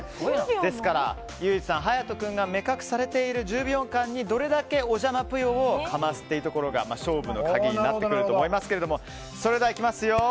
ですから、ユージさん勇人君が目隠しされている１０秒間にどれだけおじゃまぷよをかますことが勝負の鍵になってくるかと思いますけどそれではいきますよ。